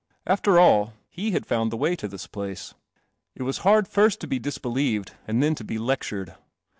After all, he had found the way to this place. It was hard first to be disbelieved and then to be lectured.